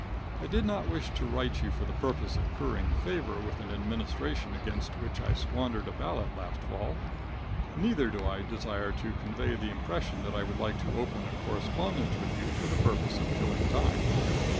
I did not wish to write you for the purpose of currying favor with an administration against which I squandered a ballot last fall. Neither do I desire to convey the impression that I would like to open a correspondence with you for the purpose of killing time.